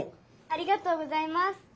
ありがとうございます。